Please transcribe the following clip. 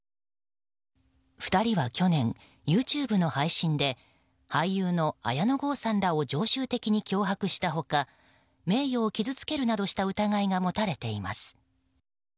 ２人は去年、ＹｏｕＴｕｂｅの配信で俳優の綾野剛さんらを常習的に脅迫した他名誉を傷つけるなどした疑いが持たれています。